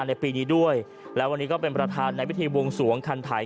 ในปีนี้ด้วยแล้ววันนี้ก็เป็นประธานในพิธีบวงสวงคันไทย